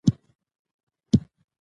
ایا د پوهنتونونو نصاب کې ادبي ورځې شته؟